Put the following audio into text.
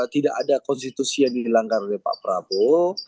tidak ada konstitusi yang dilanggar oleh pak prabowo